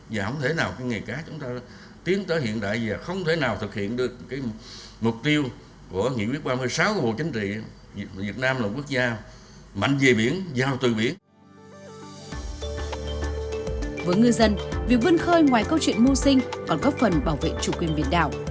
với ngư dân việc vươn khơi ngoài câu chuyện mưu sinh còn góp phần bảo vệ chủ quyền biển đảo